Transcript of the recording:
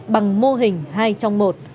bằng mô hình hai trong một